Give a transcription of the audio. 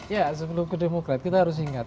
ya sebelum ke demokrat kita harus ingat